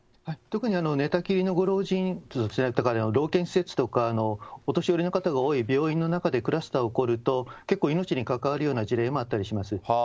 特に寝たきりのご老人、どちらかというと、老健施設とか、お年寄りの方が多い病院の中でクラスターが起こると、結構命に関わるような事例もあったりします。